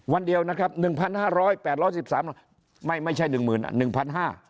วันเดียวนะครับ๑๕๐๐๘๑๓รายไม่ไม่ใช่๑๐๐๐๐อ่ะ๑๕๐๐